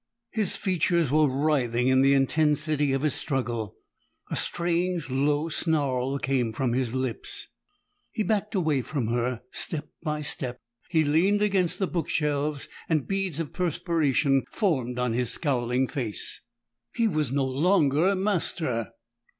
His features were writhing in the intensity of his struggle; a strange low snarl came from his lips. He backed away from her, step by step; he leaned against the book shelves, and beads of perspiration formed on his scowling face. He was no longer master!